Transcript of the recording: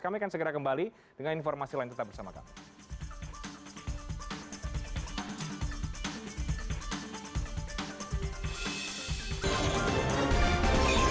kami akan segera kembali dengan informasi lain tetap bersama kami